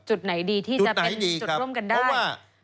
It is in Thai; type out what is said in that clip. จุดไหนดีที่จะเป็นจุดร่วมกันได้จุดไหนดีครับเพราะว่า